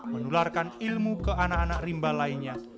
menularkan ilmu ke anak anak rimba lainnya